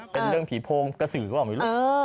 เป็นเรื่องผีโพงกระสือก็ออกไปเลย